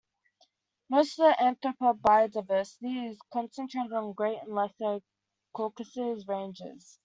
Most of Arthropod biodiversity is concentrated on Great and Lesser Caucasus ranges.